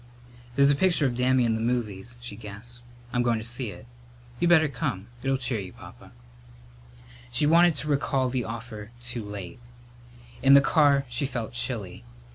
"There's a picture of Dammy in the movies," she gasped. "I'm goin' in to see it. You better come. It'll cheer you, Papa." She wanted to recall the offer too late. In the car she felt chilly.